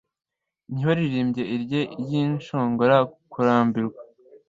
Ntibaririmbye lyre yishongora kurambirwa